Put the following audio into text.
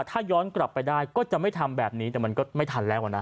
ถ้าย้อนกลับไปได้ก็จะไม่ทำแบบนี้แต่มันก็ไม่ทันแล้วนะ